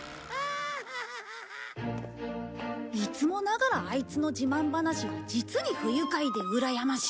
いつもながらアイツの自慢話は実に不愉快でうらやましい。